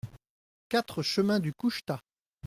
quatre chemin du Couchetat